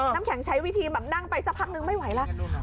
น้ำแข็งใช้วิธีแบบนั่งไปสักพักนึงไม่ไหวแล้ว